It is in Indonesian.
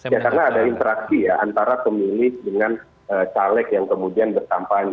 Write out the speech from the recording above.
ya karena ada interaksi ya antara pemilik dengan caleg yang kemudian berkampanye